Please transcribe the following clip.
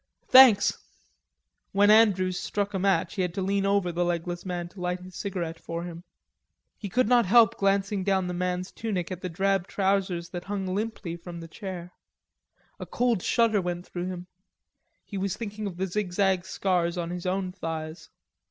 "Thanks." When Andrews struck a match he had to lean over the legless man to light his cigarette for him. He could not help glancing down the man's tunic at the drab trousers that hung limply from the chair. A cold shudder went through him; he was thinking of the zigzag scars on his own thighs.